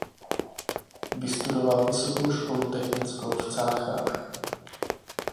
Vystudoval Vysokou školu technickou v Cáchách.